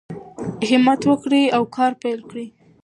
همت وکړئ او کار پیل کړئ.